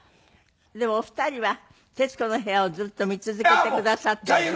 でもお二人は『徹子の部屋』をずっと見続けてくださっているってね。